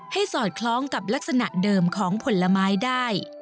สอดคล้องกับลักษณะเดิมของผลไม้ได้